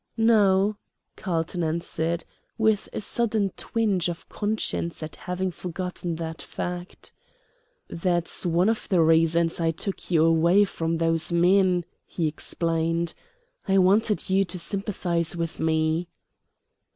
"No," Carlton answered, with a sudden twinge of conscience at having forgotten that fact. "That's one of the reasons I took you away from those men," he explained. "I wanted you to sympathize with me."